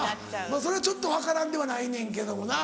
まぁそれはちょっと分からんではないねんけどもな。